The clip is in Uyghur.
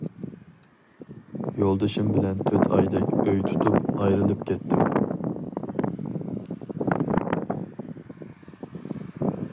يولدىشىم بىلەن تۆت ئايدەك ئۆي تۇتۇپ ئايرىلىپ كەتتىم.